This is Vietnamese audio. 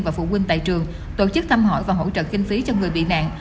và phụ huynh tại trường tổ chức thăm hỏi và hỗ trợ kinh phí cho người bị nạn